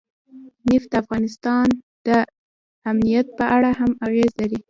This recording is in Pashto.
نفت د افغانستان د امنیت په اړه هم اغېز لري.